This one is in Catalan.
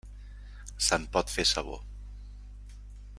Se'n pot fer sabó.